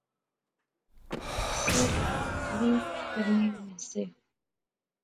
اکثر ہیکلی کرنے ہونے سے